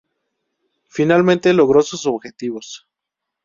Finalmente logró sus objetivos.